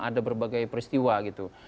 ada berbagai peristiwa gitu